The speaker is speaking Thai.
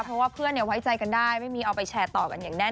เพราะว่าเพื่อนไว้ใจกันได้ไม่มีเอาไปแชร์ต่อกันอย่างแน่น